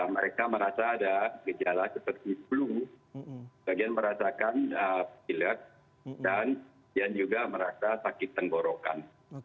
mereka merasa ada gejala seperti flu bagian merasakan pilek dan juga merasa sakit tenggorokan